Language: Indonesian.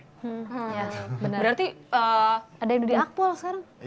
berarti ada yang jadi akpol sekarang